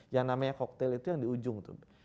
yang namanya cocktail itu yang di ujung tuh